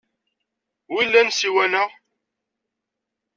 Wilan ssiwan-a?